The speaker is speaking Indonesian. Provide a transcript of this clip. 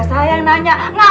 bisa berubah juga